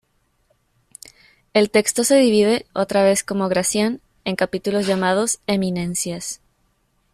El texto se divide, otra vez como Gracián, en capítulos llamados "eminencias.